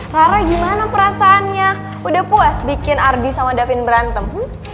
rara gimana perasaannya udah puas bikin ardi sama davin berantem